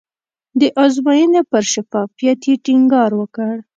د ازموینې پر شفافیت یې ټینګار وکړ.